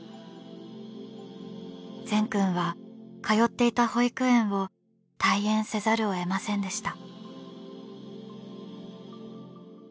善くんは通っていた保育園を退園せざるを得ませんでした。